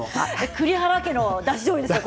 栗原家のだしじょうゆですね。